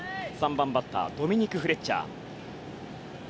３番バッタードミニク・フレッチャー。